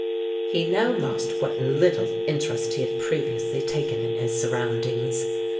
He now lost what little interest he had previously taken in his surroundings.